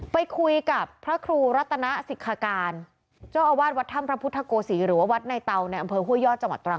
ไปคุยกับพระครูรัตนสิทธการเจ้าอาวาสวัดถ้ำพระพุทธโกศีหรือว่าวัดในเตาในอำเภอห้วยยอดจังหวัดตรัง